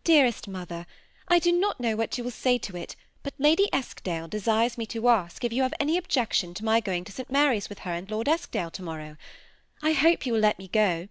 ^^ Dearest Mother, — I do not know what you will say to it, but Lady Eskdale desires me to ask if you have any objection to my going to St. Mary's with her and Lord Eskdale to morrow ? I hope you will let me go.